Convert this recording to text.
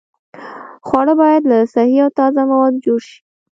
خواړه باید له صحي او تازه موادو جوړ شي.